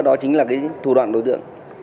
đó chính là thủ đoạn đối tượng